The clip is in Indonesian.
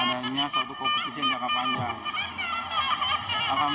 adanya suatu kompetisi yang jangka panjang